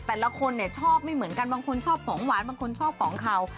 แต่ละคนเนี่ยชอบไม่เหมือนกันบางคนชอบของหวานบางคนชอบของเขา